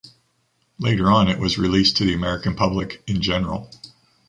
Later on it was released to the American public in general.